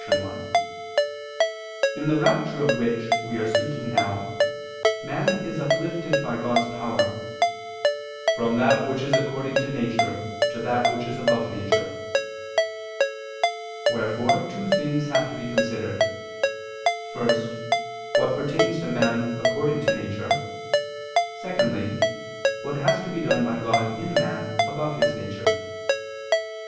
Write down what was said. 1), in the rapture of which we are speaking now, man is uplifted by God's power, "from that which is according to nature to that which is above nature." Wherefore two things have to be considered: first, what pertains to man according to nature; secondly, what has to be done by God in man above his nature.